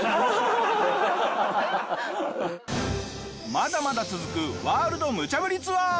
まだまだ続くワールド無茶ぶりツアー！